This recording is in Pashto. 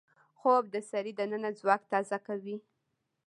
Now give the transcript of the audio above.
خوب د سړي دننه ځواک تازه کوي